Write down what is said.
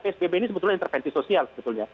psbb ini sebetulnya intervensi sosial sebetulnya